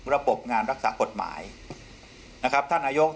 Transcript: ต้องนำตัวผู้ตามผิดมารับโทษให้ได้